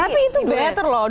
tapi itu better loh